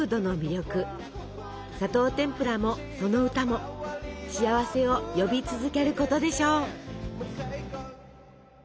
「砂糖てんぷら」もその歌も幸せを呼び続けることでしょう。